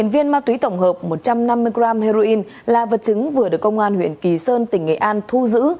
một mươi viên ma túy tổng hợp một trăm năm mươi g heroin là vật chứng vừa được công an huyện kỳ sơn tỉnh nghệ an thu giữ